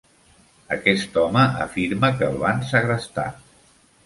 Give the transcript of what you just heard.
Aquest home afirma que el van segrestar.